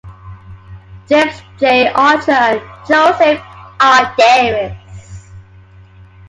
James J. Archer and Joseph R. Davis.